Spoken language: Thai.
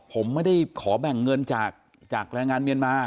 ผมไม่ได้ขอแบ่งเงินจากแรงงานเมียนมา